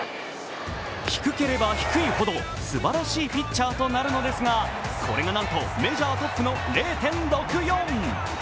低ければ低いほどすばらしいピッチャーとなるのですがこれがなんとメジャートップの０．６４。